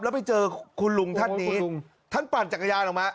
แล้วไปเจอคุณลุงท่านนี้ท่านปั่นจักรยานออกมา